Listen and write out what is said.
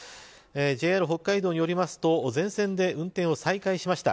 ＪＲ北海道によりますと全線で運転を再開しました。